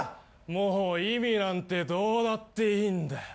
もう意味なんてどうだっていいんだよ。